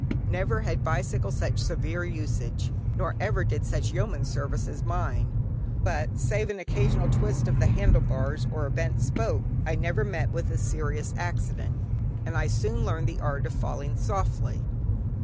Never had bicycle such severe usage, nor ever did such yeoman service as mine; but save an occasional twist of the handle bars, or a bent spoke, I never met with a serious accident, and I soon learned the art of "falling softly."